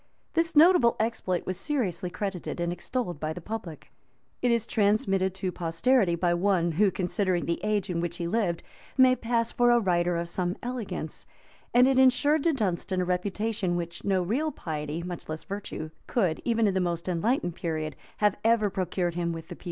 This notable exploit was seriously credited and extolled by the public; it is transmitted to posterity by one, who, considering the age in which he lived, may pass for a writer of some elegance;[] and it insured to Dunstan a reputation which no real piety, much less virtue, could, even in the most enlightened period, have ever procured him with the people.